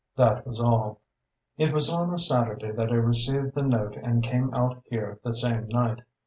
That was all. "It was on a Saturday that I received the note and I came out here the same night.